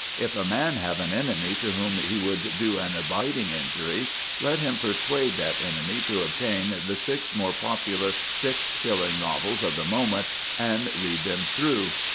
If a man have an enemy to whom he would do an abiding injury, let him persuade that enemy to obtain the six more popular six shilling novels of the moment, and read them through.